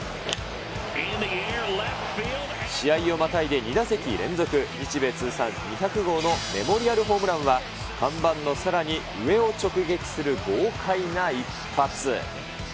試合をまたいで２打席連続、日米通算２００号のメモリアルホームランは看板のさらに上を直撃する豪快な一発。